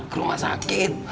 ke rumah sakit